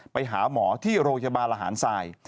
ไปหาหมอที่โรยบารหารทราย